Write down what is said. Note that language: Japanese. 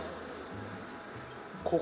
ここ？